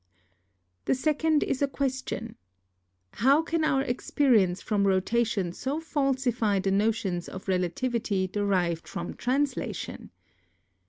The second is a question : How can our experience from rotation so falsify the notions of relativity derived from translation